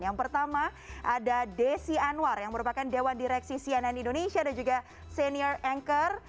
yang pertama ada desi anwar yang merupakan dewan direksi cnn indonesia dan juga senior anchor